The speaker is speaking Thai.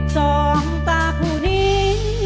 สองตาคู่นี้